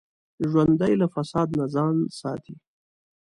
ژوندي له فساد نه ځان ساتي